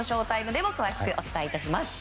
ＳＨＯ‐ＴＩＭＥでも詳しくお伝えします。